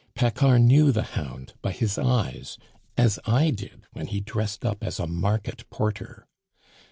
Paccard knew the hound by his eyes, as I did when he dressed up as a market porter.